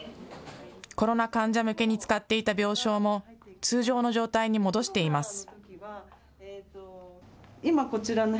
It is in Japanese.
コロナ患者向けに使っていた病床も通常の状態に戻しています。